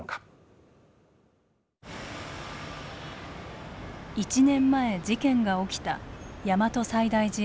１年前事件が起きた大和西大寺駅前。